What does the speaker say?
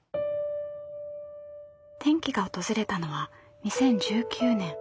転機が訪れたのは２０１９年。